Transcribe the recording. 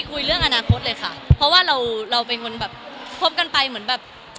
คุยเรื่องอนาคตเลยค่ะเพราะว่าเราเราเป็นคนแบบคบกันไปเหมือนแบบ